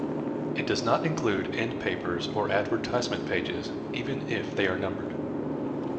It does not include end papers or advertisement pages, even if they are numbered.